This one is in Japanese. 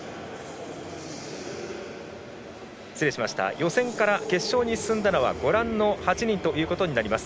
予選から決勝に進んだのはご覧の８人となります。